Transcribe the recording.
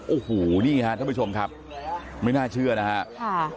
โอ้โหนี่ฮะท่านผู้ชมครับไม่น่าเชื่อนะฮะค่ะ